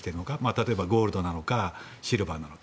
例えばゴールドなのかシルバーなのか。